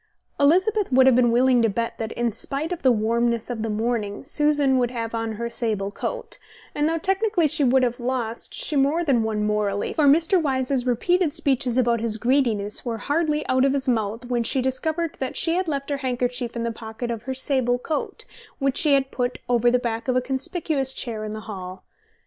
Elizabeth would have been willing to bet that, in spite of the warmness of the morning, Susan would have on her sable coat, and though, technically, she would have lost, she more than won morally, for Mr. Wyse's repeated speeches about his greediness were hardly out of his mouth when she discovered that she had left her handkerchief in the pocket of her sable coat, which she had put over the back of a conspicuous chair in the hall.